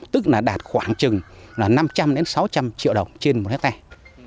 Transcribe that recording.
tức là đạt khoảng chừng là năm trăm linh đến sáu trăm linh triệu đồng trên một hectare